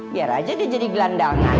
biar aja dia jadi gelandangan